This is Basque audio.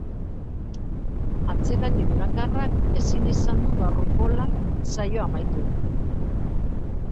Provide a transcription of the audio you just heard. Atzelari durangarrak ezin izan du gaurko lan saioa amaitu.